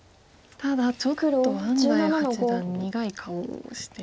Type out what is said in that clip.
ただちょっと安斎八段苦い顔をしてましたか。